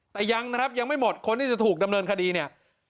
แต่ยังนะครับยังไม่หมดคนที่จะถูกดำเนินคดีเนี่ย